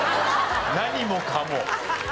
何もかも。